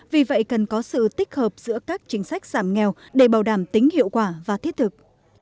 vì vậy cần có sự tích hợp giữa các chính sách giảm nghèo để bảo đảm tính hiệu quả và thiết thực